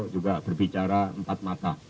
juga berbicara empat mata